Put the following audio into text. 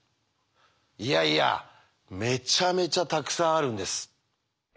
いやいやめちゃめちゃたくさんあるんです。